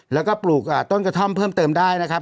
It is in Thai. แล้วก็ปลูกต้นกระท่อมเพิ่มเติมได้นะครับ